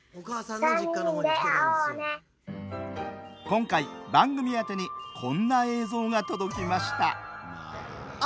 今回、番組宛てにこんな映像が届きました。